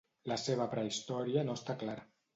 La seva prehistòria no està clara.